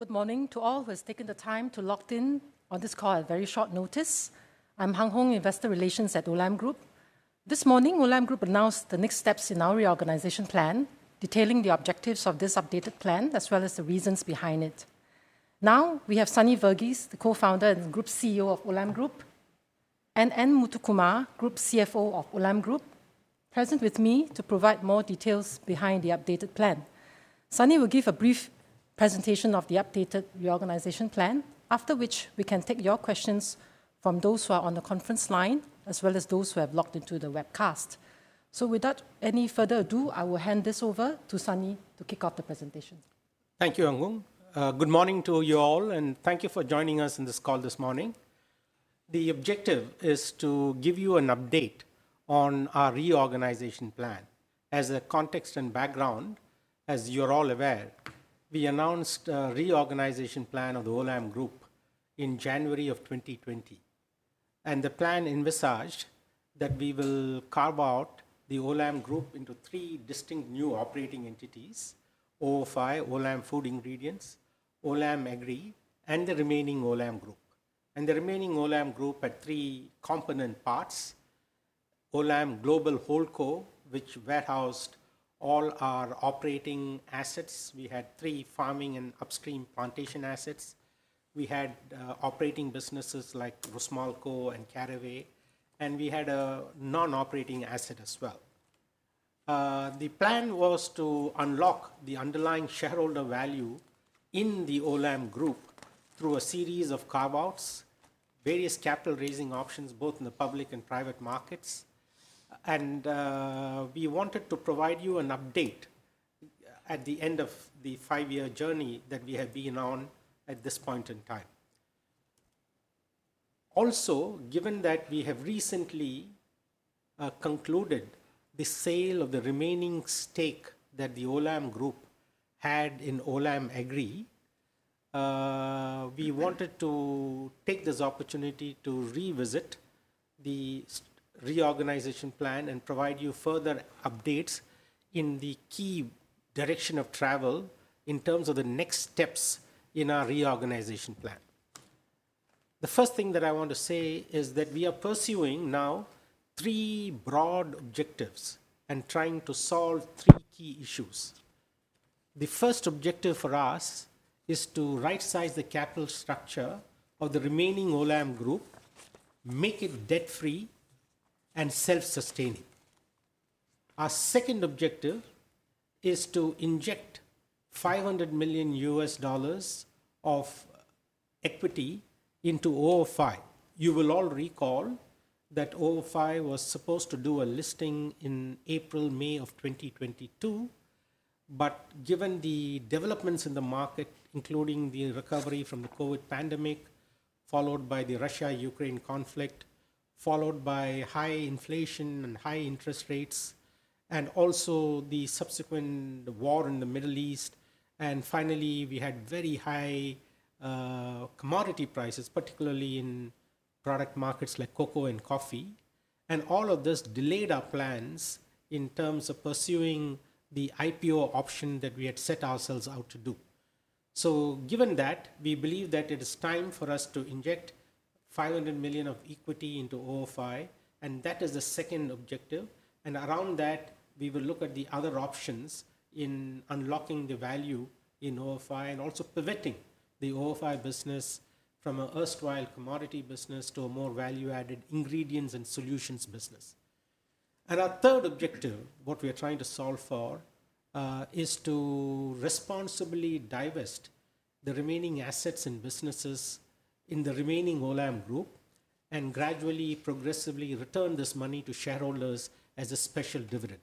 Good morning to all who have taken the time to log in on this call at very short notice. I'm Hung Hoeng, Investor Relations at Olam Group. This morning, Olam Group announced the next steps in our reorganisation plan, detailing the objectives of this updated plan, as well as the reasons behind it. Now, we have Sunny Verghese, the Co-Founder and Group CEO of Olam Group, and N. Muthukumar, Group CFO of Olam Group, present with me to provide more details behind the updated plan. Sunny will give a brief presentation of the updated reorganisation plan, after which we can take your questions from those who are on the conference line, as well as those who have logged into the webcast. Without any further ado, I will hand this over to Sunny to kick off the presentation. Thank you, Hung Hoeng. Good morning to you all, and thank you for joining us in this call this morning. The objective is to give you an update on our reorganisation plan. As a context and background, as you are all aware, we announced the reorganisation plan of the Olam Group in January of 2020. The plan envisaged that we will carve out the Olam Group into three distinct new operating entities: OFI, Olam Food Ingredients, Olam Agri, and the remaining Olam Group. The remaining Olam Group had three component parts: Olam Global Holdco, which warehoused all our operating assets. We had three farming and upstream plantation assets. We had operating businesses like Rusmolco and Caraway, and we had a non-operating asset as well. The plan was to unlock the underlying shareholder value in the Olam Group through a series of carve-outs, various capital-raising options, both in the public and private markets. We wanted to provide you an update at the end of the five-year journey that we have been on at this point in time. Also, given that we have recently concluded the sale of the remaining stake that the Olam Group had in Olam Agri, we wanted to take this opportunity to revisit the reorganisation plan and provide you further updates in the key direction of travel in terms of the next steps in our reorganisation plan. The first thing that I want to say is that we are pursuing now three broad objectives and trying to solve three key issues. The first objective for us is to right-size the capital structure of the remaining Olam Group, make it debt-free, and self-sustaining. Our second objective is to inject $500 million of equity into OFI. You will all recall that OFI was supposed to do a listing in April-May of 2022, but given the developments in the market, including the recovery from the COVID pandemic, followed by the Russia-Ukraine conflict, followed by high inflation and high interest rates, and also the subsequent war in the Middle East, and finally, we had very high commodity prices, particularly in product markets like cocoa and coffee, all of this delayed our plans in terms of pursuing the IPO option that we had set ourselves out to do. Given that, we believe that it is time for us to inject $500 million of equity into OFI, and that is the second objective. Around that, we will look at the other options in unlocking the value in OFI and also pivoting the OFI business from an erstwhile commodity business to a more value-added ingredients and solutions business. Our third objective, what we are trying to solve for, is to responsibly divest the remaining assets and businesses in the remaining Olam Group and gradually, progressively return this money to shareholders as a special dividend.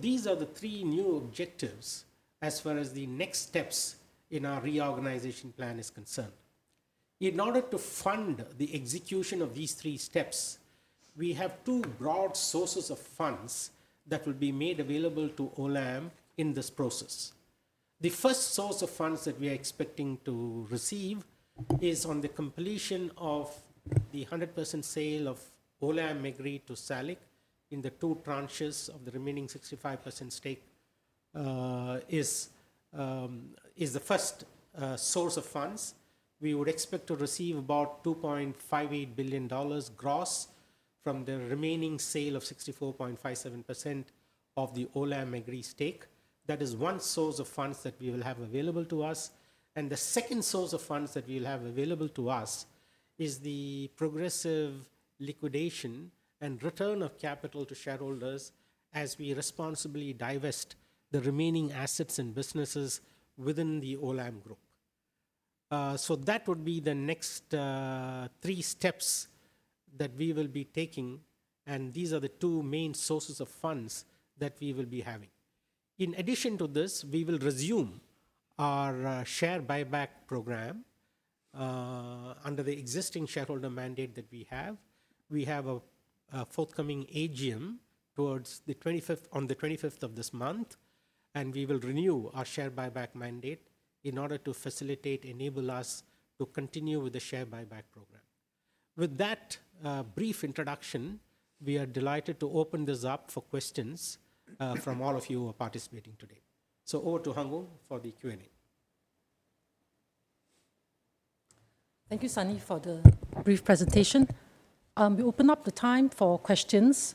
These are the three new objectives as far as the next steps in our reorganisation plan are concerned. In order to fund the execution of these three steps, we have two broad sources of funds that will be made available to Olam in this process. The first source of funds that we are expecting to receive is on the completion of the 100% sale of Olam Agri to SALIC in the two tranches of the remaining 65% stake. It is the first source of funds. We would expect to receive about $2.58 billion gross from the remaining sale of 64.57% of the Olam Agri stake. That is one source of funds that we will have available to us. The second source of funds that we will have available to us is the progressive liquidation and return of capital to shareholders as we responsibly divest the remaining assets and businesses within the Olam Group. That would be the next three steps that we will be taking, and these are the two main sources of funds that we will be having. In addition to this, we will resume our share buyback program under the existing shareholder mandate that we have. We have a forthcoming AGM on the 25th of this month, and we will renew our share buyback mandate in order to facilitate and enable us to continue with the share buyback program. With that brief introduction, we are delighted to open this up for questions from all of you who are participating today. Over to Hung Hoeng for the Q&A. Thank you, Sunny, for the brief presentation. We open up the time for questions.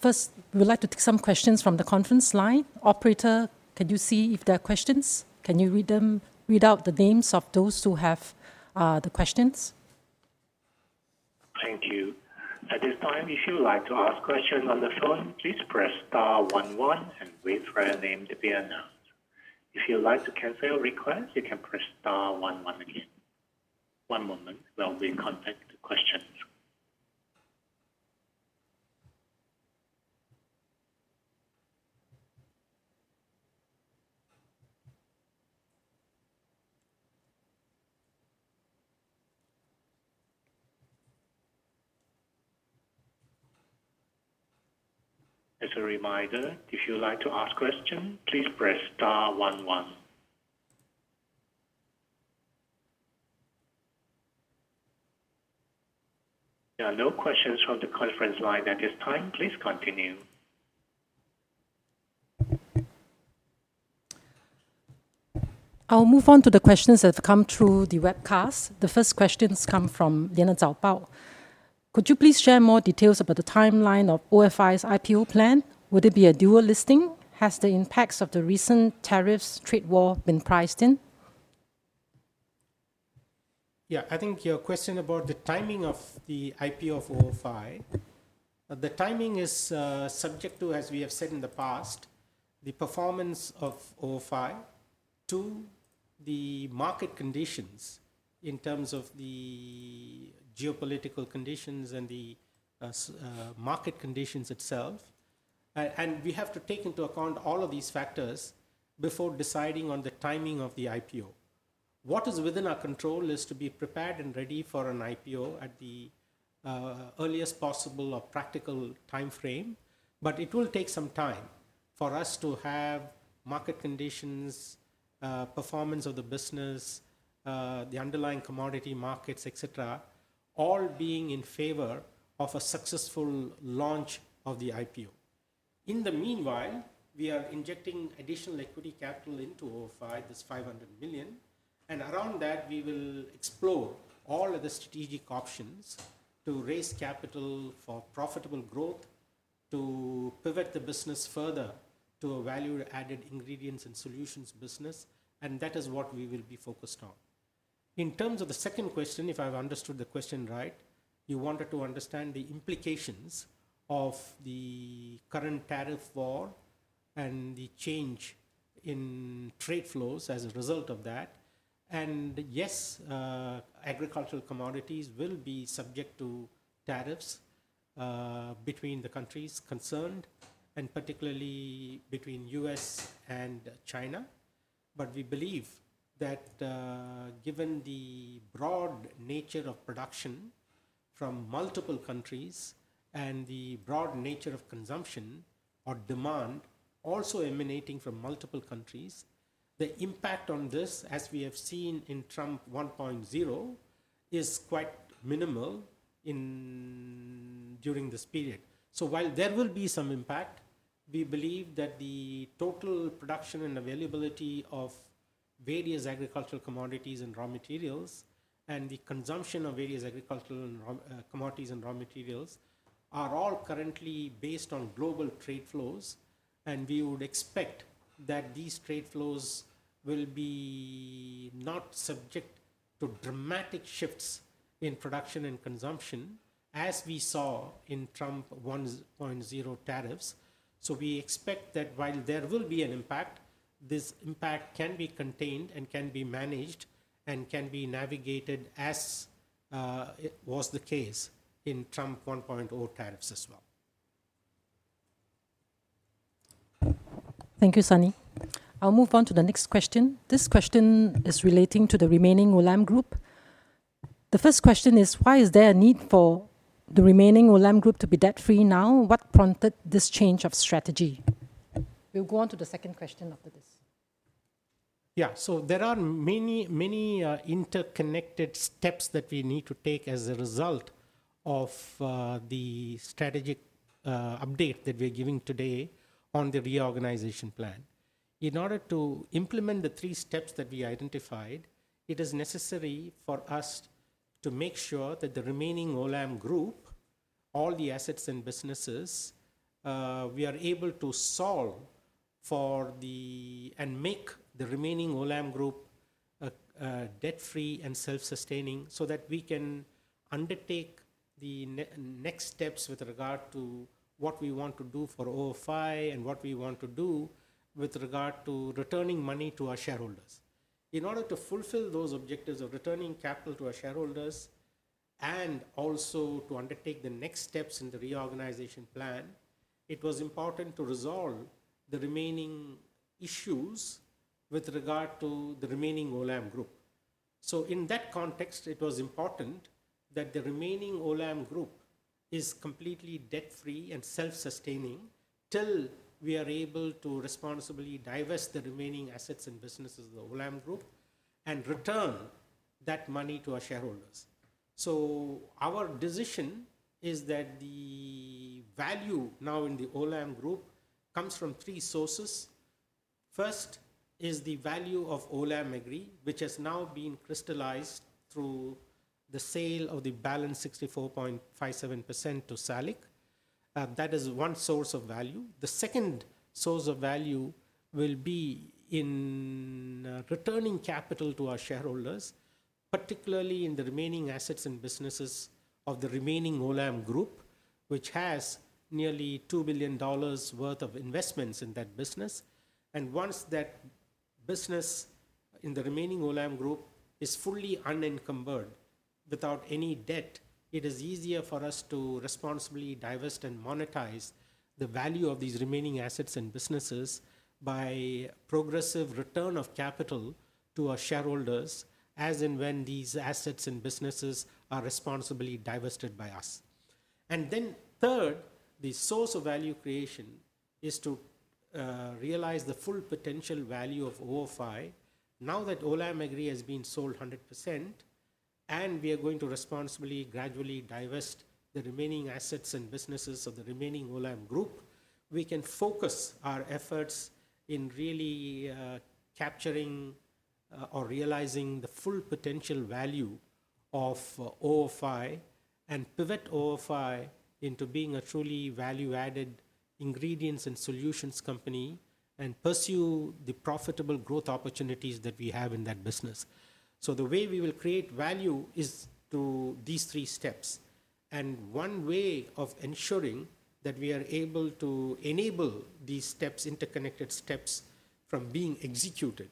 First, we would like to take some questions from the conference line. Operator, can you see if there are questions? Can you read out the names of those who have the questions? Thank you. At this time, if you would like to ask a question on the phone, please press *11 and wait for a name to be announced. If you would like to cancel your request, you can press *11 again. One moment, we will be contacted with questions. As a reminder, if you would like to ask a question, please press *11. There are no questions from the conference line at this time. Please continue. I will move on to the questions that have come through the webcast. The first question has come from [Lianna Cao Bao]. Could you please share more details about the timeline of OFI's IPO plan? Will it be a dual listing? Has the impacts of the recent tariffs trade war been priced in? Yeah, I think your question about the timing of the IPO of OFI, the timing is subject to, as we have said in the past, the performance of OFI to the market conditions in terms of the geopolitical conditions and the market conditions itself. We have to take into account all of these factors before deciding on the timing of the IPO. What is within our control is to be prepared and ready for an IPO at the earliest possible or practical timeframe, but it will take some time for us to have market conditions, performance of the business, the underlying commodity markets, et cetera, all being in favour of a successful launch of the IPO. In the meanwhile, we are injecting additional equity capital into OFI, this $500 million, and around that, we will explore all of the strategic options to raise capital for profitable growth, to pivot the business further to a value-added ingredients and solutions business, and that is what we will be focused on. In terms of the second question, if I've understood the question right, you wanted to understand the implications of the current tariff war and the change in trade flows as a result of that. Yes, agricultural commodities will be subject to tariffs between the countries concerned, and particularly between the U.S. and China. We believe that given the broad nature of production from multiple countries and the broad nature of consumption or demand also emanating from multiple countries, the impact on this, as we have seen in Trump 1.0, is quite minimal during this period. While there will be some impact, we believe that the total production and availability of various agricultural commodities and raw materials, and the consumption of various agricultural commodities and raw materials, are all currently based on global trade flows, and we would expect that these trade flows will not be subject to dramatic shifts in production and consumption, as we saw in Trump 1.0 tariffs. We expect that while there will be an impact, this impact can be contained and can be managed and can be navigated, as was the case in Trump 1.0 tariffs as well. Thank you, Sunny. I will move on to the next question. This question is relating to the remaining Olam Group. The first question is, why is there a need for the remaining Olam Group to be debt-free now? What prompted this change of strategy? We will go on to the second question after this. Yeah, so there are many, many interconnected steps that we need to take as a result of the strategic update that we are giving today on the reorganisation plan. In order to implement the three steps that we identified, it is necessary for us to make sure that the remaining Olam Group, all the assets and businesses, we are able to solve for the and make the remaining Olam Group debt-free and self-sustaining so that we can undertake the next steps with regard to what we want to do for OFI and what we want to do with regard to returning money to our shareholders. In order to fulfil those objectives of returning capital to our shareholders and also to undertake the next steps in the reorganisation plan, it was important to resolve the remaining issues with regard to the remaining Olam Group. In that context, it was important that the remaining Olam Group is completely debt-free and self-sustaining till we are able to responsibly divest the remaining assets and businesses of the Olam Group and return that money to our shareholders. Our decision is that the value now in the Olam Group comes from three sources. First is the value of Olam Agri, which has now been crystallised through the sale of the balance 64.57% to SALIC. That is one source of value. The second source of value will be in returning capital to our shareholders, particularly in the remaining assets and businesses of the remaining Olam Group, which has nearly $2 billion worth of investments in that business. Once that business in the remaining Olam Group is fully unencumbered without any debt, it is easier for us to responsibly divest and monetize the value of these remaining assets and businesses by progressive return of capital to our shareholders, as and when these assets and businesses are responsibly divested by us. Third, the source of value creation is to realize the full potential value of OFI. Now that Olam Agri has been sold 100%, and we are going to responsibly, gradually divest the remaining assets and businesses of the remaining Olam Group, we can focus our efforts in really capturing or realizing the full potential value of OFI and pivot OFI into being a truly value-added ingredients and solutions company and pursue the profitable growth opportunities that we have in that business. The way we will create value is through these three steps. One way of ensuring that we are able to enable these interconnected steps from being executed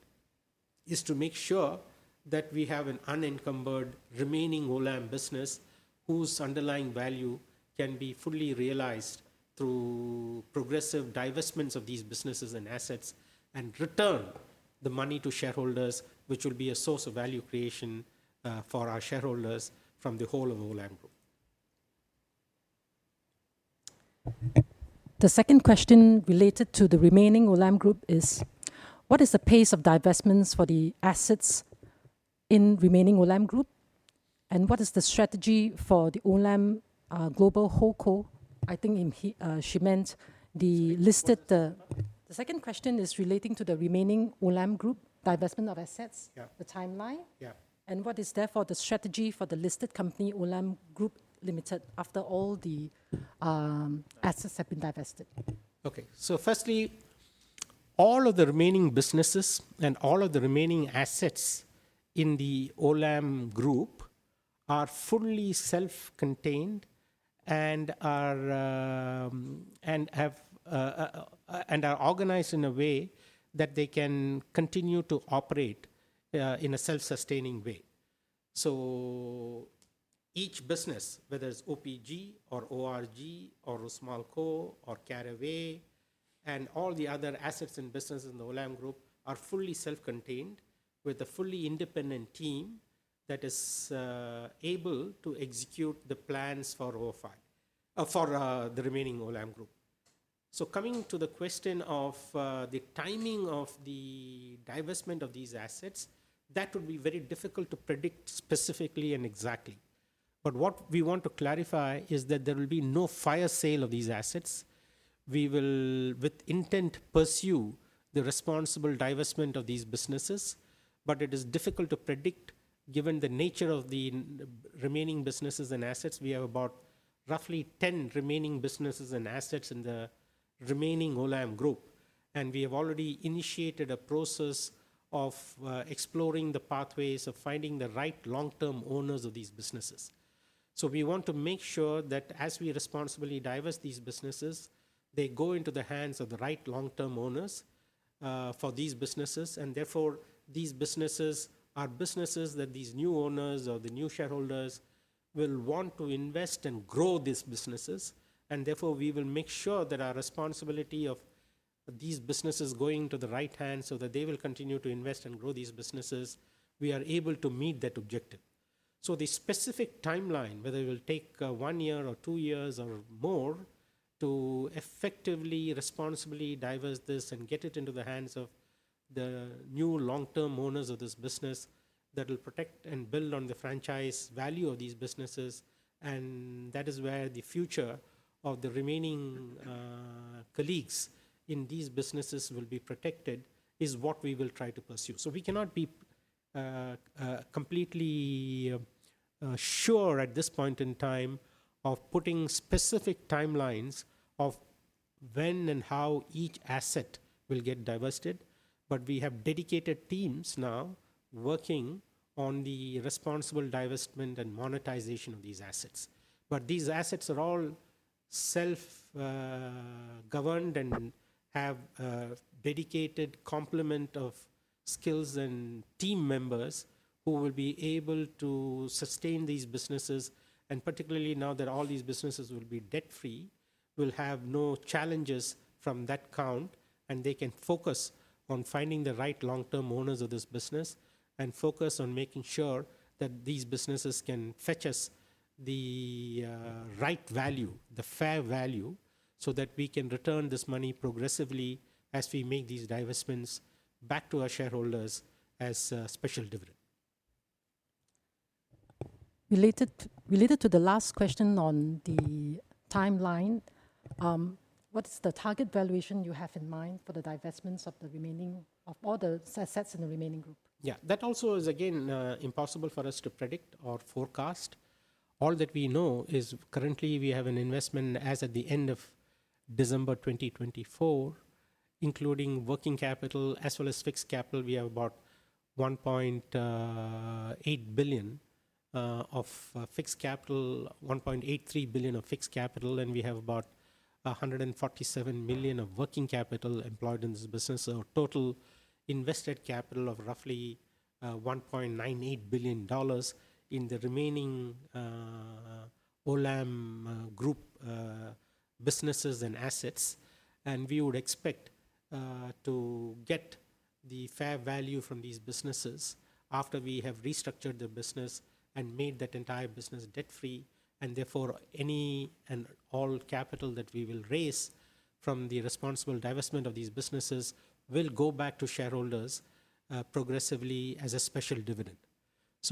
is to make sure that we have an unencumbered remaining Olam business whose underlying value can be fully realised through progressive divestments of these businesses and assets and return the money to shareholders, which will be a source of value creation for our shareholders from the whole of Olam Group. The second question related to the remaining Olam Group is, what is the pace of divestments for the assets in remaining Olam Group? What is the strategy for the Olam Global Holdco? I think she meant the listed. The second question is relating to the remaining Olam Group divestment of assets, the timeline. What is therefore the strategy for the listed company Olam Group Limited after all the assets have been divested? Okay, so firstly, all of the remaining businesses and all of the remaining assets in the Olam Group are fully self-contained and are organised in a way that they can continue to operate in a self-sustaining way. Each business, whether it's OPG or ORG or Rusmolco or Caraway and all the other assets and businesses in the Olam Group are fully self-contained with a fully independent team that is able to execute the plans for OFI, for the remaining Olam Group. Coming to the question of the timing of the divestment of these assets, that would be very difficult to predict specifically and exactly. What we want to clarify is that there will be no fire sale of these assets. We will, with intent, pursue the responsible divestment of these businesses, but it is difficult to predict given the nature of the remaining businesses and assets. We have about roughly 10 remaining businesses and assets in the remaining Olam Group, and we have already initiated a process of exploring the pathways of finding the right long-term owners of these businesses. We want to make sure that as we responsibly divest these businesses, they go into the hands of the right long-term owners for these businesses, and therefore these businesses are businesses that these new owners or the new shareholders will want to invest and grow these businesses. We will make sure that our responsibility of these businesses going to the right hand so that they will continue to invest and grow these businesses, we are able to meet that objective. The specific timeline, whether it will take one year or two years or more, to effectively, responsibly divest this and get it into the hands of the new long-term owners of this business that will protect and build on the franchise value of these businesses, and that is where the future of the remaining colleagues in these businesses will be protected, is what we will try to pursue. We cannot be completely sure at this point in time of putting specific timelines of when and how each asset will get divested, but we have dedicated teams now working on the responsible divestment and monetisation of these assets. These assets are all self-governed and have a dedicated complement of skills and team members who will be able to sustain these businesses, and particularly now that all these businesses will be debt-free, will have no challenges from that count, and they can focus on finding the right long-term owners of this business and focus on making sure that these businesses can fetch us the right value, the fair value, so that we can return this money progressively as we make these divestments back to our shareholders as special dividend. Related to the last question on the timeline, what is the target valuation you have in mind for the divestments of the remaining of all the assets in the remaining group? Yeah, that also is again impossible for us to predict or forecast. All that we know is currently we have an investment as at the end of December 2024, including working capital as well as fixed capital. We have about $1.8 billion of fixed capital, $1.83 billion of fixed capital, and we have about $147 million of working capital employed in this business, a total invested capital of roughly $1.98 billion in the remaining Olam Group businesses and assets. We would expect to get the fair value from these businesses after we have restructured the business and made that entire business debt-free, and therefore any and all capital that we will raise from the responsible divestment of these businesses will go back to shareholders progressively as a special dividend.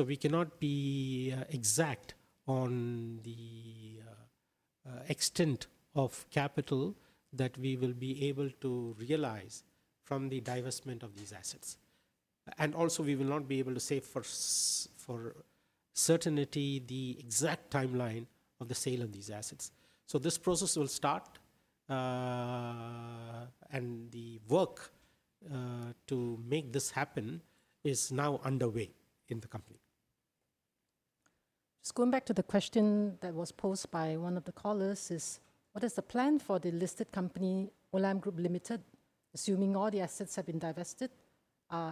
We cannot be exact on the extent of capital that we will be able to realise from the divestment of these assets. Also, we will not be able to say for certainty the exact timeline of the sale of these assets. This process will start, and the work to make this happen is now underway in the company. Just going back to the question that was posed by one of the callers, what is the plan for the listed company Olam Group Limited, assuming all the assets have been divested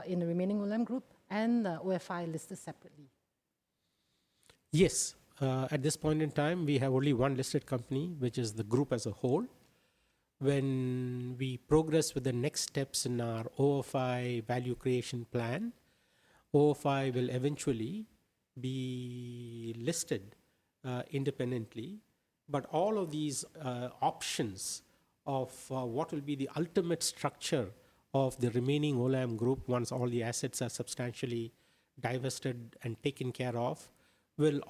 in the remaining Olam Group and OFI listed separately? Yes, at this point in time, we have only one listed company, which is the group as a whole. When we progress with the next steps in our OFI value creation plan, OFI will eventually be listed independently. All of these options of what will be the ultimate structure of the remaining Olam Group once all the assets are substantially divested and taken care of, we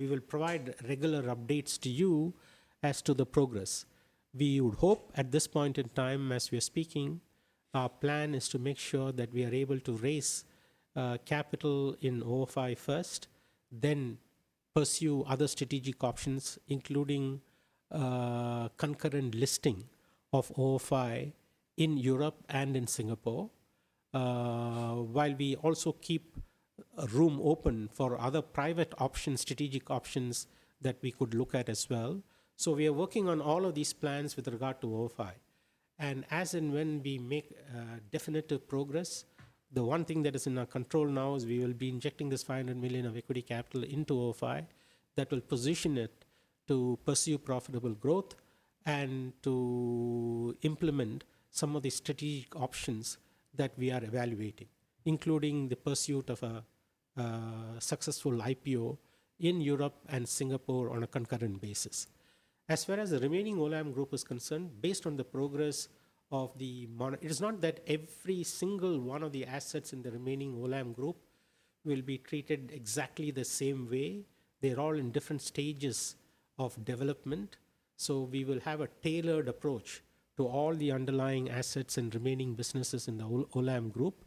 will provide regular updates to you as to the progress. We would hope at this point in time, as we are speaking, our plan is to make sure that we are able to raise capital in OFI first, then pursue other strategic options, including concurrent listing of OFI in Europe and in Singapore, while we also keep room open for other private options, strategic options that we could look at as well. We are working on all of these plans with regard to OFI. As and when we make definitive progress, the one thing that is in our control now is we will be injecting this $500 million of equity capital into OFI that will position it to pursue profitable growth and to implement some of the strategic options that we are evaluating, including the pursuit of a successful IPO in Europe and Singapore on a concurrent basis. As far as the remaining Olam Group is concerned, based on the progress of it, it is not that every single one of the assets in the remaining Olam Group will be treated exactly the same way. They are all in different stages of development. We will have a tailored approach to all the underlying assets and remaining businesses in the Olam Group,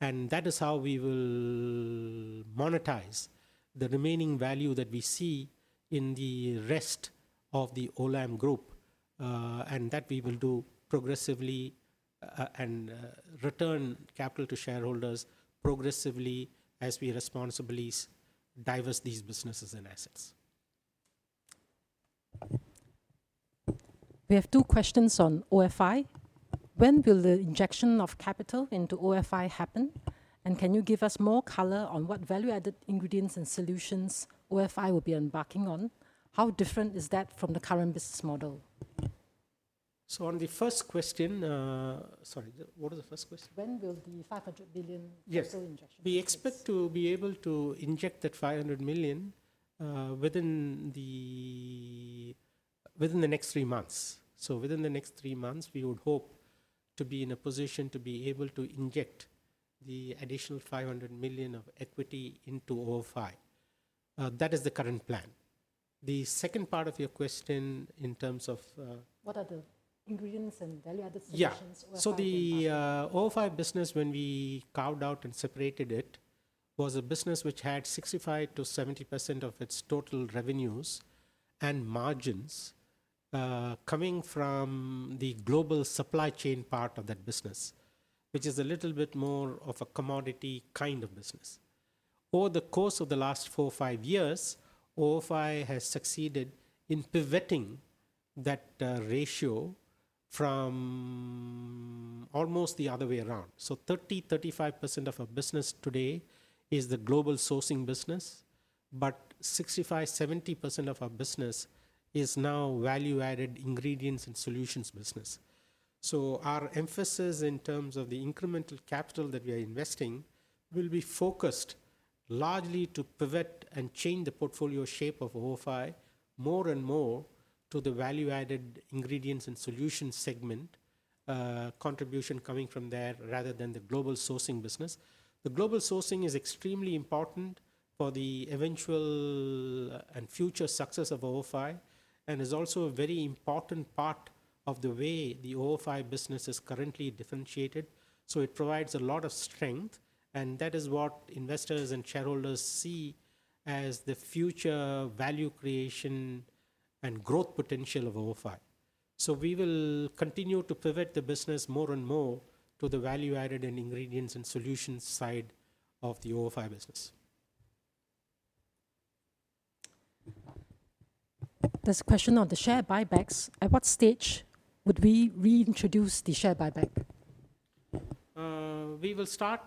and that is how we will monetise the remaining value that we see in the rest of the Olam Group, and that we will do progressively and return capital to shareholders progressively as we responsibly divest these businesses and assets. We have two questions on OFI. When will the injection of capital into OFI happen? Can you give us more colour on what value-added ingredients and solutions OFI will be embarking on? How different is that from the current business model? On the first question, sorry, what was the first question? When will the $500 million capital injection? Yes, we expect to be able to inject that $500 million within the next three months. Within the next three months, we would hope to be in a position to be able to inject the additional $500 million of equity into OFI. That is the current plan. The second part of your question in terms of. What are the ingredients and value-added solutions? Yeah, so the OFI business, when we carved out and separated it, was a business which had 65%-70% of its total revenues and margins coming from the global supply chain part of that business, which is a little bit more of a commodity kind of business. Over the course of the last four or five years, OFI has succeeded in pivoting that ratio from almost the other way around. 30%-35% of our business today is the global sourcing business, but 65%-70% of our business is now value-added ingredients and solutions business. Our emphasis in terms of the incremental capital that we are investing will be focused largely to pivot and change the portfolio shape of OFI more and more to the value-added ingredients and solutions segment contribution coming from there rather than the global sourcing business. Global sourcing is extremely important for the eventual and future success of OFI and is also a very important part of the way the OFI business is currently differentiated. It provides a lot of strength, and that is what investors and shareholders see as the future value creation and growth potential of OFI. We will continue to pivot the business more and more to the value-added and ingredients and solutions side of the OFI business. This question on the share buybacks, at what stage would we reintroduce the share buyback? We will start,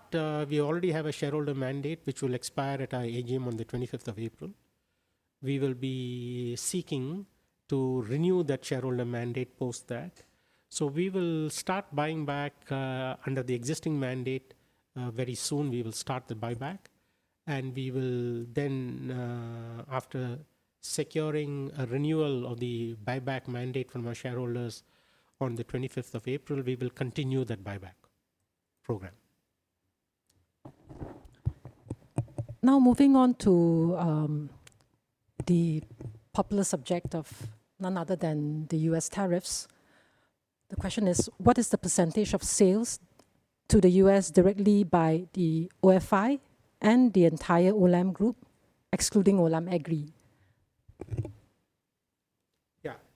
we already have a shareholder mandate which will expire at our AGM on the 25th of April. We will be seeking to renew that shareholder mandate post that. We will start buying back under the existing mandate very soon. We will start the buyback, and we will then, after securing a renewal of the buyback mandate from our shareholders on the 25th of April, we will continue that buyback program. Now moving on to the popular subject of none other than the U.S. tariffs, the question is, what is the percentage of sales to the U.S. directly by the OFI and the entire Olam Group, excluding Olam Agri?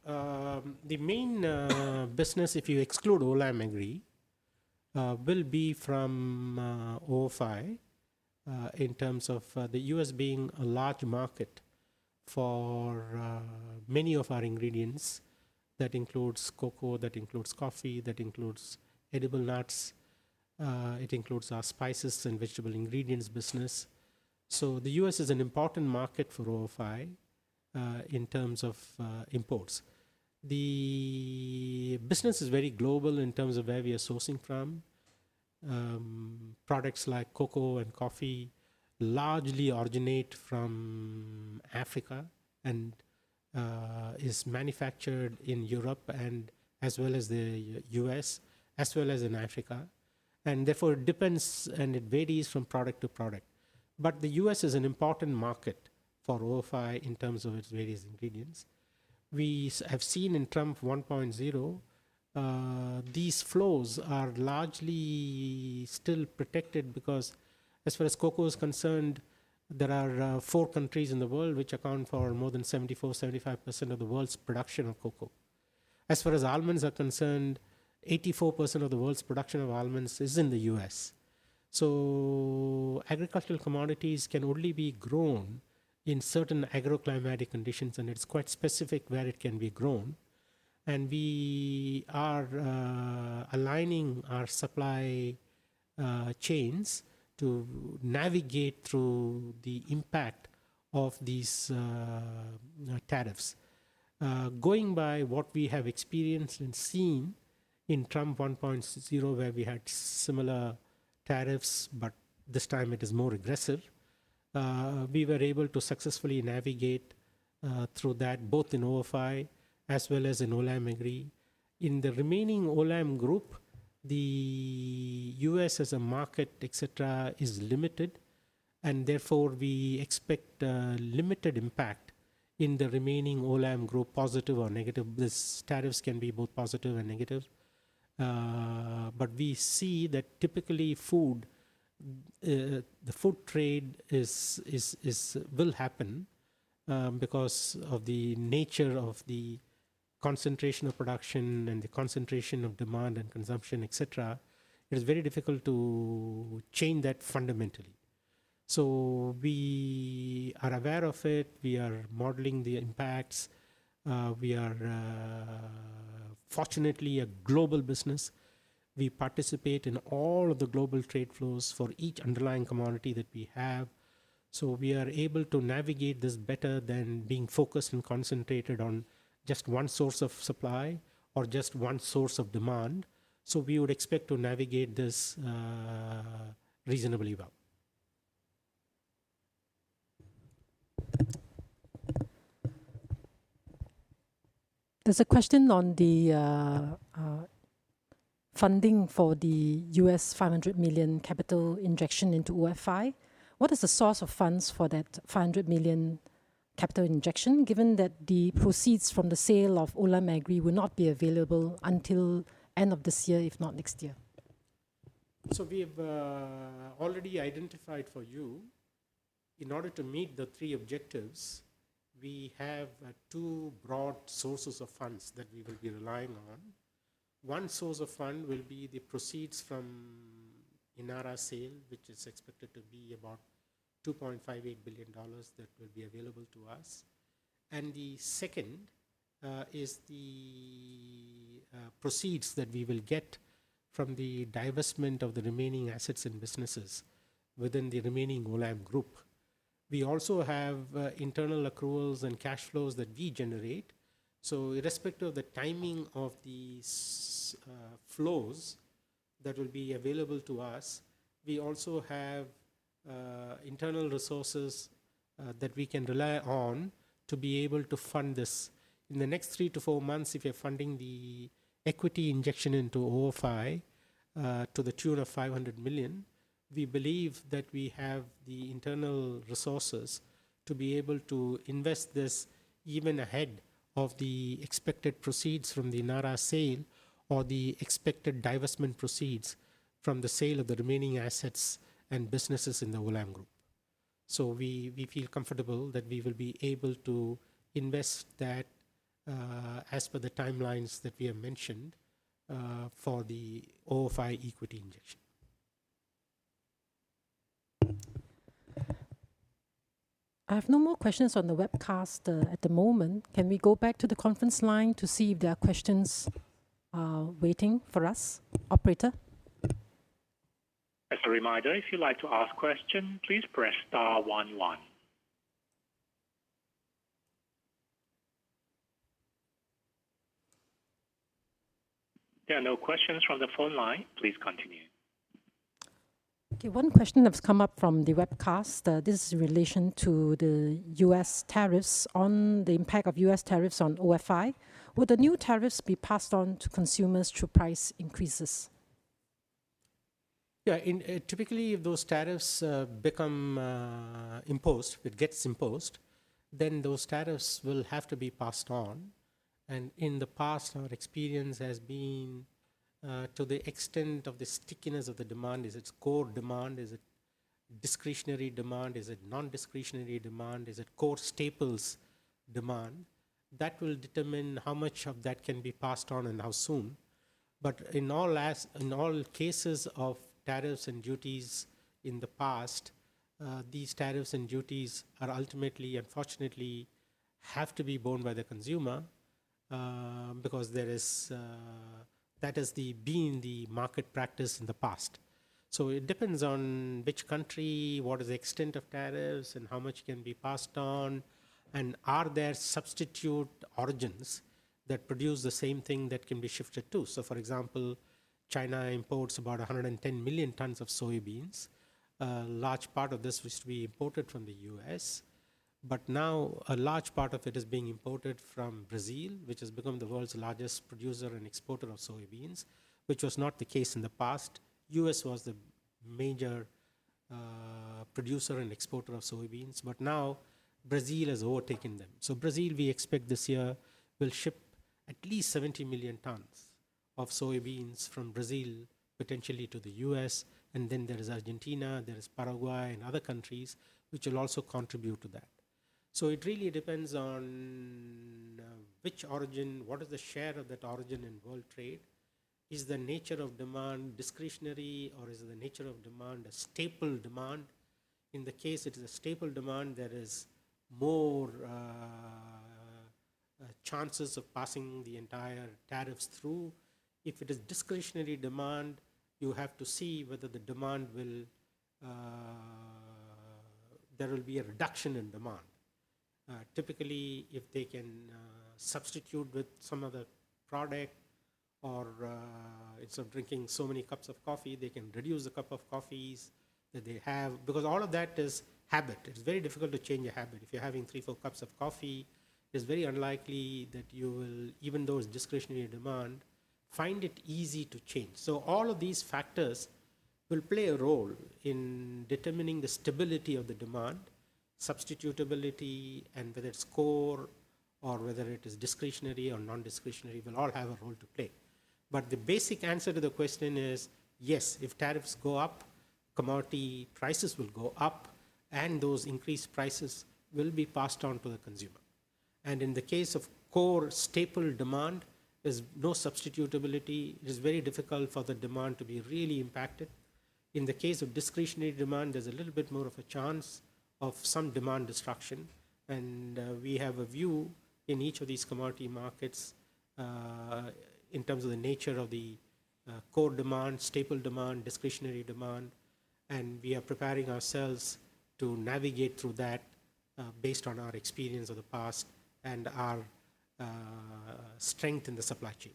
Yeah, the main business, if you exclude Olam Agri, will be from OFI in terms of the U.S. being a large market for many of our ingredients. That includes cocoa, that includes coffee, that includes edible nuts, it includes our spices and vegetable ingredients business. The U.S. is an important market for OFI in terms of imports. The business is very global in terms of where we are sourcing from. Products like cocoa and coffee largely originate from Africa and are manufactured in Europe and as well as the US, as well as in Africa. Therefore, it depends and it varies from product to product. The U.S. is an important market for OFI in terms of its various ingredients. We have seen in Trump 1.0, these flows are largely still protected because as far as cocoa is concerned, there are four countries in the world which account for more than 74%-75% of the world's production of cocoa. As far as almonds are concerned, 84% of the world's production of almonds is in the U.S. Agricultural commodities can only be grown in certain agroclimatic conditions, and it's quite specific where it can be grown. We are aligning our supply chains to navigate through the impact of these tariffs. Going by what we have experienced and seen in Trump 1.0, where we had similar tariffs, but this time it is more aggressive, we were able to successfully navigate through that, both in OFI as well as in Olam Agri. In the remaining Olam Group, the U.S. as a market, et cetera, is limited, and therefore we expect a limited impact in the remaining Olam Group, positive or negative. The tariffs can be both positive and negative. We see that typically food, the food trade will happen because of the nature of the concentration of production and the concentration of demand and consumption, et cetera. It is very difficult to change that fundamentally. We are aware of it. We are modeling the impacts. We are fortunately a global business. We participate in all of the global trade flows for each underlying commodity that we have. We are able to navigate this better than being focused and concentrated on just one source of supply or just one source of demand. We would expect to navigate this reasonably well. There's a question on the funding for the $500 million capital injection into OFI. What is the source of funds for that $500 million capital injection, given that the proceeds from the sale of Olam Agri will not be available until the end of this year, if not next year? We have already identified for you, in order to meet the three objectives, we have two broad sources of funds that we will be relying on. One source of fund will be the proceeds from Olam Agri sale, which is expected to be about $2.58 billion that will be available to us. The second is the proceeds that we will get from the divestment of the remaining assets and businesses within the remaining Olam Group. We also have internal accruals and cash flows that we generate. Irrespective of the timing of the flows that will be available to us, we also have internal resources that we can rely on to be able to fund this. In the next three to four months, if we are funding the equity injection into OFI to the tune of $500 million, we believe that we have the internal resources to be able to invest this even ahead of the expected proceeds from the Olam Agri sale or the expected divestment proceeds from the sale of the remaining assets and businesses in the Olam Group. We feel comfortable that we will be able to invest that as per the timelines that we have mentioned for the OFI equity injection. I have no more questions on the webcast at the moment. Can we go back to the conference line to see if there are questions waiting for us, Operator? As a reminder, if you'd like to ask a question, please press *11. There are no questions from the phone line. Please continue. Okay, one question that's come up from the webcast. This is in relation to the U.S. tariffs on the impact of U.S. tariffs on OFI. Would the new tariffs be passed on to consumers through price increases? Yeah, typically if those tariffs become imposed, it gets imposed, then those tariffs will have to be passed on. In the past, our experience has been to the extent of the stickiness of the demand, is it core demand, is it discretionary demand, is it non-discretionary demand, is it core staples demand, that will determine how much of that can be passed on and how soon. In all cases of tariffs and duties in the past, these tariffs and duties are ultimately, unfortunately, have to be borne by the consumer because that has been the market practice in the past. It depends on which country, what is the extent of tariffs and how much can be passed on, and are there substitute origins that produce the same thing that can be shifted to. For example, China imports about 110 million tons of soybeans, a large part of this which is to be imported from the U.S. Now a large part of it is being imported from Brazil, which has become the world's largest producer and exporter of soybeans, which was not the case in the past. The U.S. was the major producer and exporter of soybeans, but now Brazil has overtaken them. Brazil, we expect this year, will ship at least 70 million tons of soybeans from Brazil potentially to the U.S. There is Argentina, there is Paraguay, and other countries which will also contribute to that. It really depends on which origin, what is the share of that origin in world trade, is the nature of demand discretionary, or is the nature of demand a staple demand. In the case it is a staple demand, there are more chances of passing the entire tariffs through. If it is discretionary demand, you have to see whether the demand will, there will be a reduction in demand. Typically, if they can substitute with some other product or instead of drinking so many cups of coffee, they can reduce the cup of coffees that they have, because all of that is habit. It's very difficult to change a habit. If you're having three, four cups of coffee, it's very unlikely that you will, even though it's discretionary demand, find it easy to change. All of these factors will play a role in determining the stability of the demand, substitutability, and whether it's core or whether it is discretionary or non-discretionary will all have a role to play. The basic answer to the question is yes, if tariffs go up, commodity prices will go up, and those increased prices will be passed on to the consumer. In the case of core staple demand, there's no substitutability. It is very difficult for the demand to be really impacted. In the case of discretionary demand, there's a little bit more of a chance of some demand destruction. We have a view in each of these commodity markets in terms of the nature of the core demand, staple demand, discretionary demand. We are preparing ourselves to navigate through that based on our experience of the past and our strength in the supply chain.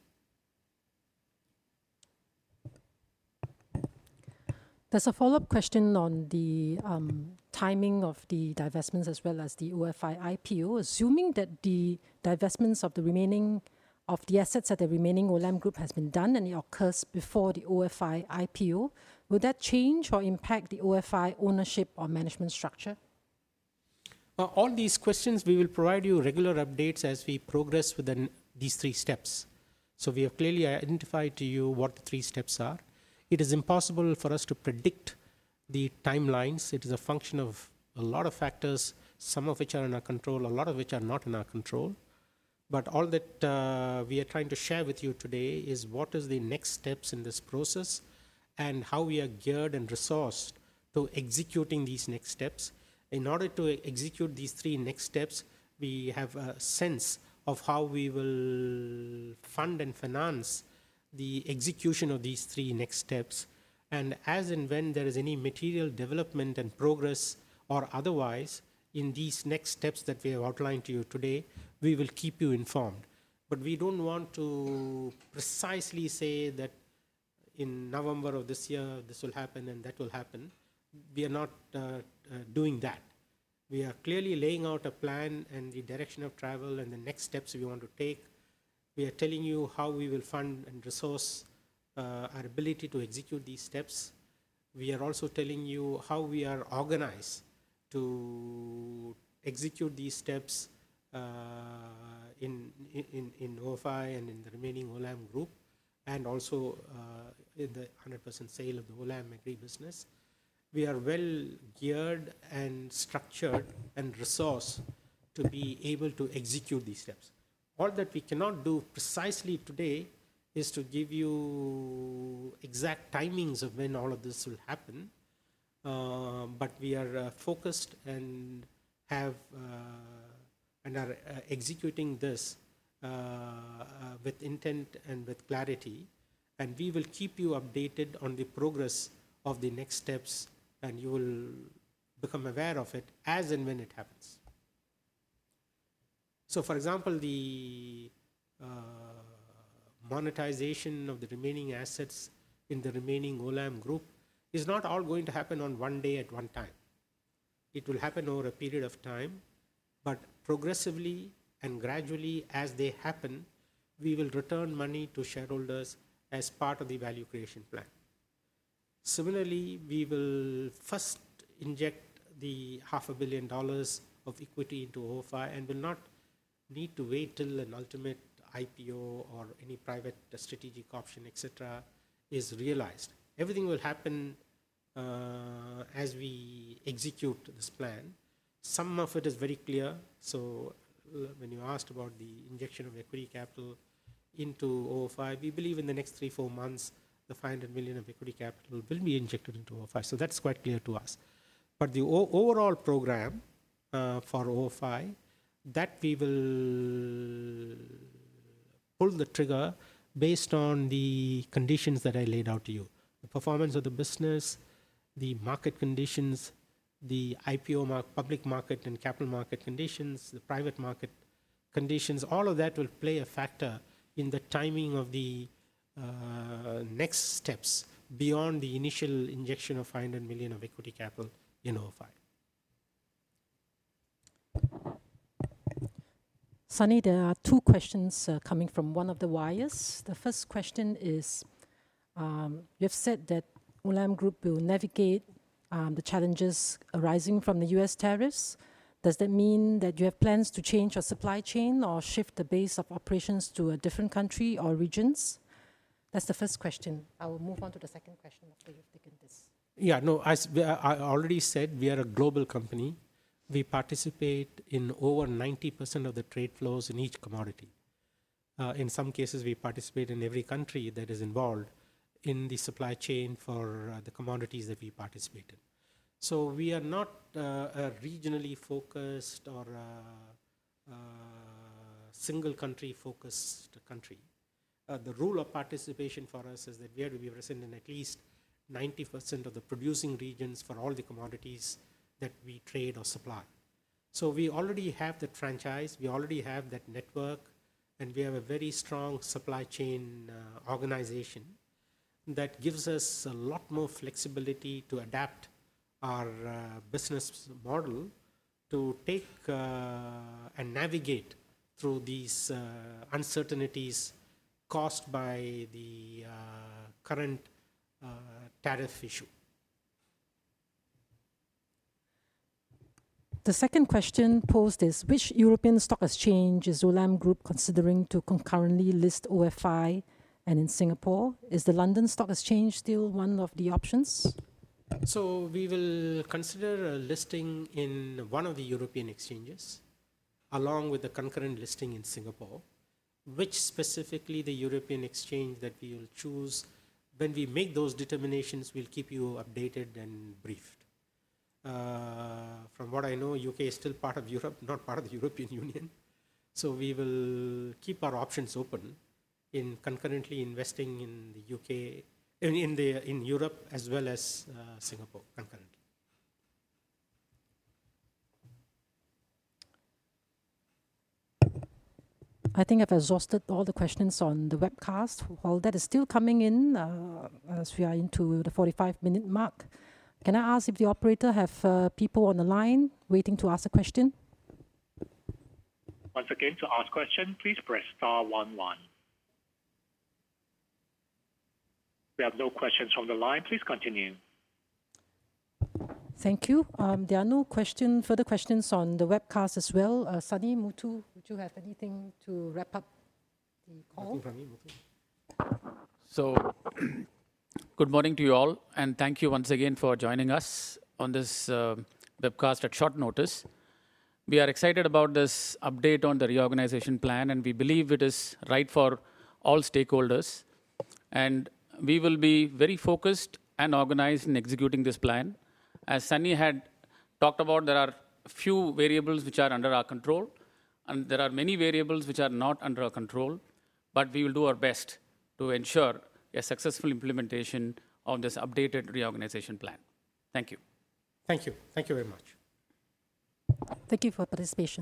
There's a follow-up question on the timing of the divestments as well as the OFI IPO. Assuming that the divestments of the remaining of the assets at the remaining Olam Group has been done and it occurs before the OFI IPO, will that change or impact the OFI ownership or management structure? All these questions, we will provide you regular updates as we progress within these three steps. We have clearly identified to you what the three steps are. It is impossible for us to predict the timelines. It is a function of a lot of factors, some of which are in our control, a lot of which are not in our control. All that we are trying to share with you today is what are the next steps in this process and how we are geared and resourced to executing these next steps. In order to execute these three next steps, we have a sense of how we will fund and finance the execution of these three next steps. As and when there is any material development and progress or otherwise in these next steps that we have outlined to you today, we will keep you informed. We do not want to precisely say that in November of this year, this will happen and that will happen. We are not doing that. We are clearly laying out a plan and the direction of travel and the next steps we want to take. We are telling you how we will fund and resource our ability to execute these steps. We are also telling you how we are organized to execute these steps in OFI and in the remaining Olam Group and also in the 100% sale of the Olam Agri business. We are well geared and structured and resourced to be able to execute these steps. All that we cannot do precisely today is to give you exact timings of when all of this will happen. We are focused and are executing this with intent and with clarity. We will keep you updated on the progress of the next steps, and you will become aware of it as and when it happens. For example, the monetization of the remaining assets in the remaining Olam Group is not all going to happen on one day at one time. It will happen over a period of time, but progressively and gradually as they happen, we will return money to shareholders as part of the value creation plan. Similarly, we will first inject $500 million of equity into OFI and will not need to wait till an ultimate IPO or any private strategic option, et cetera, is realized. Everything will happen as we execute this plan. Some of it is very clear. When you asked about the injection of equity capital into OFI, we believe in the next three, four months, the $500 million of equity capital will be injected into OFI. That is quite clear to us. The overall program for OFI, we will pull the trigger based on the conditions that I laid out to you. The performance of the business, the market conditions, the IPO, public market and capital market conditions, the private market conditions, all of that will play a factor in the timing of the next steps beyond the initial injection of $500 million of equity capital in OFI. Sunny, there are two questions coming from one of the wires. The first question is, you have said that Olam Group will navigate the challenges arising from the U.S. tariffs. Does that mean that you have plans to change your supply chain or shift the base of operations to a different country or regions? That's the first question. I will move on to the second question after you've taken this. Yeah, no, I already said we are a global company. We participate in over 90% of the trade flows in each commodity. In some cases, we participate in every country that is involved in the supply chain for the commodities that we participate in. We are not a regionally focused or single country focused company. The rule of participation for us is that we are to be present in at least 90% of the producing regions for all the commodities that we trade or supply. We already have that franchise, we already have that network, and we have a very strong supply chain organization that gives us a lot more flexibility to adapt our business model to take and navigate through these uncertainties caused by the current tariff issue. The second question posed is, which European stock exchange is Olam Group considering to concurrently list OFI and in Singapore? Is the London Stock Exchange still one of the options? We will consider listing in one of the European exchanges along with the concurrent listing in Singapore. Which specifically the European exchange that we will choose, when we make those determinations, we'll keep you updated and briefed. From what I know, the U.K. is still part of Europe, not part of the European Union. We will keep our options open in concurrently investing in the U.K., in Europe as well as Singapore concurrently. I think I've exhausted all the questions on the webcast. While that is still coming in, as we are into the 45-minute mark, can I ask if the operator have people on the line waiting to ask a question? Once again, to ask a question, please press *11. We have no questions from the line. Please continue. Thank you. There are no further questions on the webcast as well. Sunny, Muthu, would you have anything to wrap up the call? Good morning to you all, and thank you once again for joining us on this webcast at short notice. We are excited about this update on the reorganization plan, and we believe it is right for all stakeholders. We will be very focused and organized in executing this plan. As Sunny had talked about, there are a few variables which are under our control, and there are many variables which are not under our control, but we will do our best to ensure a successful implementation of this updated reorganization plan. Thank you. Thank you. Thank you very much. Thank you for participating.